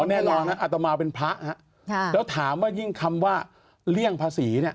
แน่นอนนะอัตมาเป็นพระแล้วถามว่ายิ่งคำว่าเลี่ยงภาษีเนี่ย